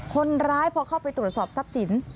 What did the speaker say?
คนร้ายพอเข้าไปตรวจสอบทรัพย์สิน